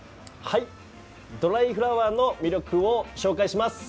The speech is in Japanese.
ドライフラワーの魅力を紹介します。